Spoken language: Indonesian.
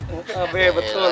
bukan babenya betul